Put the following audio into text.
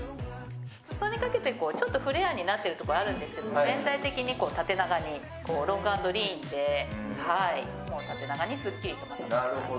裾にかけて、ちょっとフレアになってるところあるんですけど、全体的に縦長に、ロング＆リーンで縦長にスッキリしています。